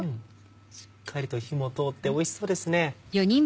しっかりと火も通っておいしそうですね。